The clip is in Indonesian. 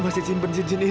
nah sayachi punding ini